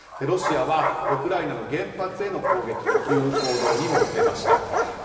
ロシアはウクライナの原発への攻撃という行動にも出ました。